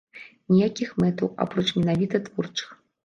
Ніякіх мэтаў, апроч менавіта творчых.